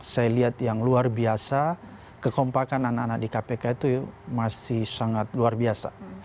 saya lihat yang luar biasa kekompakan anak anak di kpk itu masih sangat luar biasa